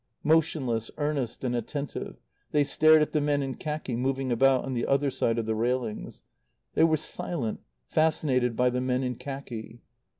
Motionless, earnest and attentive, they stared at the men in khaki moving about on the other side of the railings. They were silent, fascinated by the men in khaki.